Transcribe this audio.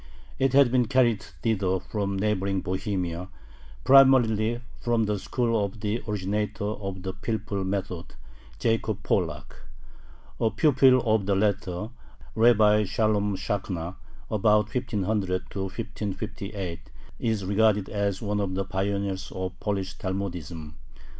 It had been carried thither from neighboring Bohemia, primarily from the school of the originator of the pilpul method, Jacob Pollack. A pupil of the latter, Rabbi Shalom Shakhna (ab. 1500 1558), is regarded as one of the pioneers of Polish Talmudism.